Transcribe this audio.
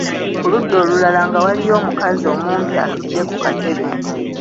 Ku ludda olulala nga waliyo omukazi omumpi atudde ku katebe.